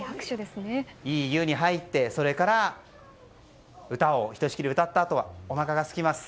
いい湯に入って歌をひとしきり歌ったあとはおなかがすきます。